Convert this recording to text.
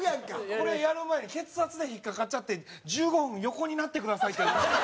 これやる前に血圧で引っかかっちゃって１５分横になってくださいって。